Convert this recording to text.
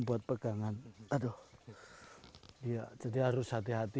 buat pegangan aduh iya jadi harus hati hati